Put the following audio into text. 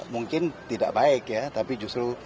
mungkin tidak baik ya tapi justru